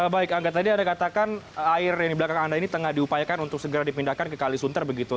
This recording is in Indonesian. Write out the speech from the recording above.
baik angga tadi anda katakan air yang di belakang anda ini tengah diupayakan untuk segera dipindahkan ke kalisunter begitu